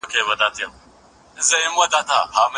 کتابتونونه د پوهې د ترلاسه کولو ښه ځایونه دي.